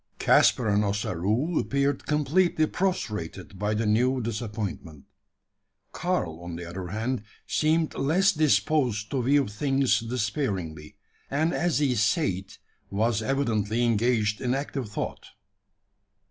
Caspar and Ossaroo appeared completely prostrated by the new disappointment. Karl, on the other hand, seemed less disposed to view things despairingly; and as he sate, was evidently engaged in active thought.